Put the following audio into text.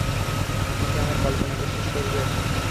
তুমি কি আমার কল্পনা বিশ্বাস করবে?